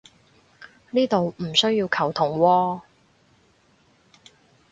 呢度唔需要球僮喎